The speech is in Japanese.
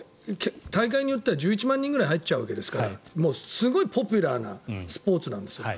大会によっては１１万人ぐらい入っちゃうわけですからすごいポピュラーなスポーツなんです。